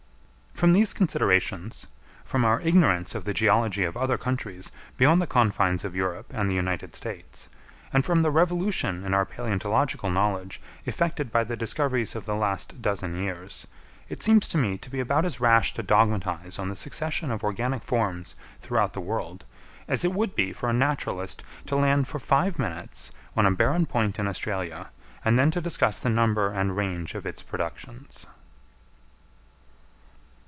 From these considerations, from our ignorance of the geology of other countries beyond the confines of Europe and the United States, and from the revolution in our palæontological knowledge effected by the discoveries of the last dozen years, it seems to me to be about as rash to dogmatize on the succession of organic forms throughout the world, as it would be for a naturalist to land for five minutes on a barren point in Australia, and then to discuss the number and range of its productions.